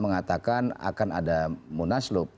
mengatakan akan ada munaslub